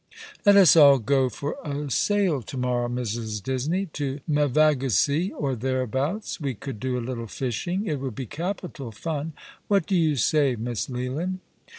Let us all go for a sail to morrow, Mrs. Disney — to Mevagissey or thereabouts. We could do a little fishing. It will be capital fun. What do you say. Miss Leland